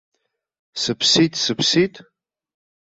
Сыԥсит, сыԥсит?